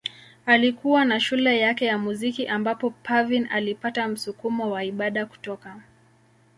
Alikuwa na shule yake ya muziki ambapo Parveen alipata msukumo wa ibada kutoka.